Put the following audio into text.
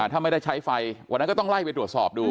ถ้าไม่ได้ใช้ไฟวันนั้นก็ต้องไล่ไปตรวจสอบดู